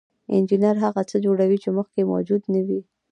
انجینر هغه څه جوړوي چې مخکې موجود نه وو.